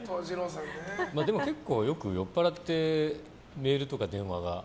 でも結構、よく酔っぱらってメールとか電話が。